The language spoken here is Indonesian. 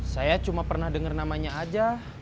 saya cuma pernah dengar namanya aja